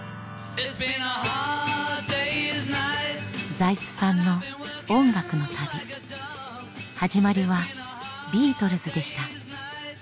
財津さんの音楽の旅始まりはビートルズでした。